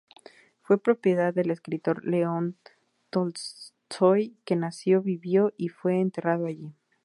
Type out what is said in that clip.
Fue propiedad del escritor León Tolstói, que nació, vivió y fue enterrado allí.